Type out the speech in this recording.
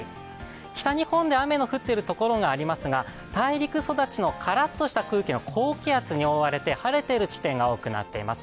北日本で雨の降っているところがありますが、大陸育ちのからっとした空気の高気圧に覆われて晴れている地点が多くなっています。